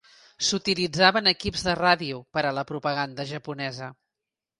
S'utilitzaven equips de ràdio per a la propaganda japonesa.